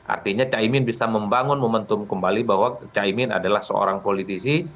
artinya caimin bisa membangun momentum kembali bahwa caimin adalah seorang politisi